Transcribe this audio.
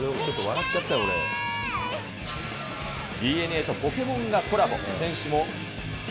ＤｅＮＡとポケモンがコラボ。